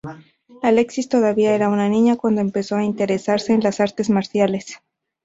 Alexis todavía era una niña cuando empezó a interesarse en las artes marciales.